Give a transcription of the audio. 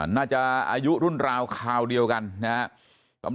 อายุรุ่นราวคราวเดียวกันนะครับ